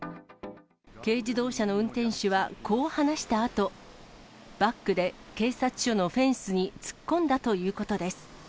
軽自動車の運転手はこう話したあと、バックで警察署のフェンスに突っ込んだということです。